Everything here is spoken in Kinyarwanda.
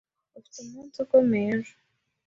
Ufite umunsi ukomeye ejo.